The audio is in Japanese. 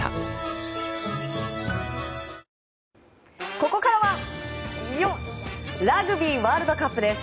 ここからはラグビーワールドカップです。